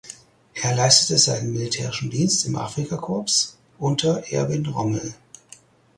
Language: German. Er leistete seinen militärischen Dienst im Afrikakorps unter Erwin Rommel.